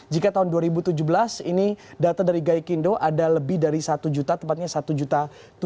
jika tahun dua ribu tujuh belas ini data dari gaikindo ada lebih dari satu juta tepatnya satu juta